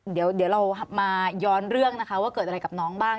เดี๋ยวเรามาย้อนเรื่องนะคะว่าเกิดอะไรกับน้องบ้าง